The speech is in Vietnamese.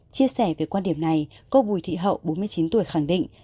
chia sẻ về quan điểm này cô bùi thị hậu bốn mươi chín tuổi khẳng định